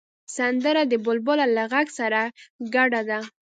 سندره د بلبله له غږ سره ګډه ده